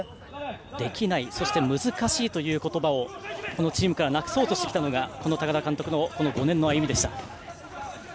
できない、難しいという言葉をチームからなくそうとしてきたのが高田監督のこの５年の歩みでした。